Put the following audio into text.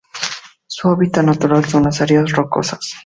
Su hábitat natural son las áreas rocosas.